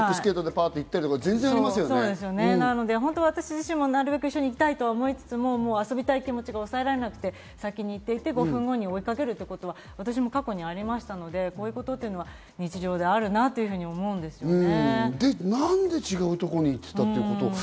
なので、私自身もなるべく一緒に行きたいと思いつつ、遊びたい気持ちが抑えられず、先にいってもらって、５分後に追いかけるとうのは私も過去にありましたので、こういうことは日常によくあるなと思うんですよね。